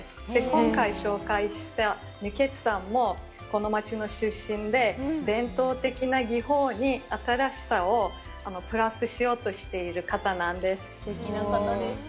今回紹介した方も、この街の出身で、伝統的な技法に新しさをプラスしようとしている方なんです。